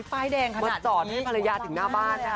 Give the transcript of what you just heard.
ป้ายแดงขนาดนี้มาจอดให้ภรรยาถึงหน้าบ้าน